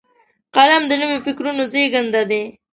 قلم د نوي فکرونو زیږنده دی